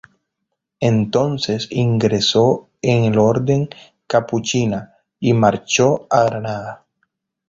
Entonces ingresó en la orden capuchina y marchó a Granada.